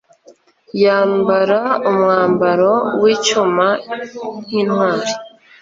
yambara umwambaro w'icyuma nk'intwari